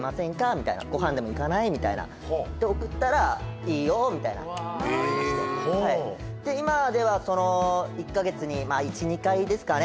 みたいな「ご飯でも行かない？」みたいなで送ったら「いいよ」みたいなおほうで今ではその１カ月に１２回ですかね